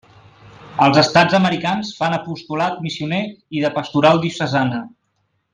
Als estats americans fan apostolat missioner i de pastoral diocesana.